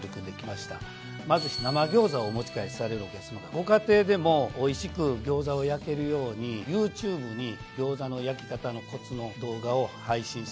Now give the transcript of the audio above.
まず生ギョーザをお持ち帰りされるお客さまがご家庭でもおいしくギョーザを焼けるようにＹｏｕＴｕｂｅにギョーザの焼き方のコツの動画を配信しております。